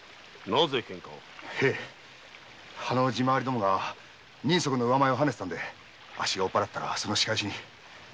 あの地回りどもが人足の上前をはねてたんで追っぱらったらその仕返しに。